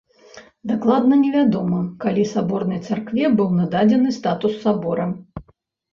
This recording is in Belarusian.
Дакладна невядома, калі саборнай царкве быў нададзены статус сабора.